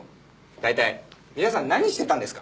大体皆さん何してたんですか？